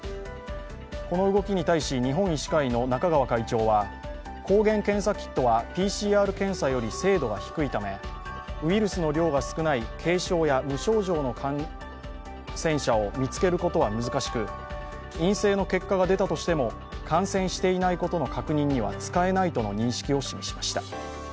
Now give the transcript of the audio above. この動きに対し、日本医師会の中川会長は抗原検査キットはＰＣＲ検査より精度が低いためウイルスの量が少ない軽症や無症状の感染者を見つけることは難しく陰性の結果が出たとしても、感染していないことの確認には使えないとの認識を示しました。